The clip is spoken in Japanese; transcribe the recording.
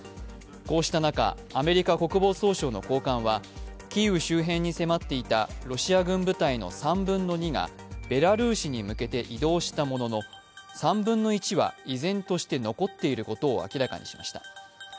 こうした中アメリカ国防総省の高官はキーウ周辺に迫っていたロシア軍部隊の３分の２がベラルーシに向けて移動したものの、３分の１は依然として残っていることを明らかにしました。